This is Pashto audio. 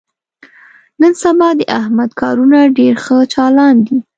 نن سبا د احمد کارونه ډېر ښه چالان دي.